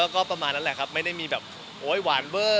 ก็ประมาณนั้นไม่ได้มีแบบว่านเวอ